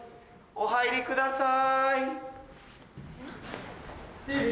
お入りください。